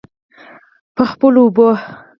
په خپلو اوبو.